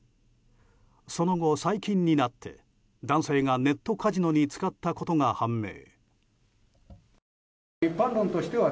その後、最近になって男性がネットカジノに使ったことが判明。